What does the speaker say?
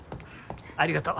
ありがとう。